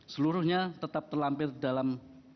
seluruhnya tetap terlampir dalam